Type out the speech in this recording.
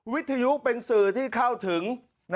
วิทยุเป็นสื่อที่เข้าถึง